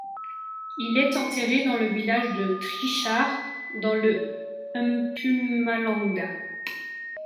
Il est enterré dans le village de Trichardt dans le Mpumalanga.